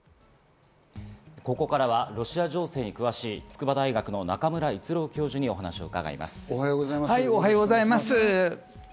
ここからはロシア情勢に詳しい筑波大学の中村逸郎教授にお話を伺います。